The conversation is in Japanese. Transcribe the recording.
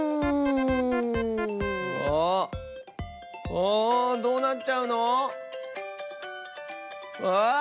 あどうなっちゃうの⁉わあっ⁉